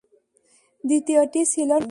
দ্বিতীয়টি ছিল নকল।